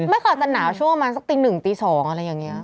ไม่ค่ะแต่หนาวช่วงมาสักติหนึ่งตีสองอะไรอย่างนี้